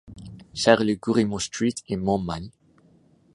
Charles Grimaud street in Montmagny